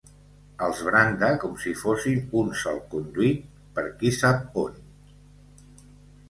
Els branda com si fossin un salconduit per qui sap on.